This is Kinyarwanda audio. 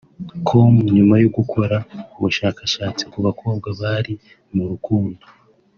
com nyuma yo gukora ubushakashatsi ku bakobwa bari mu rukundo